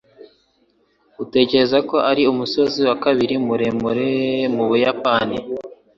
Utekereza ko ari umusozi wa kabiri muremure mu Buyapani?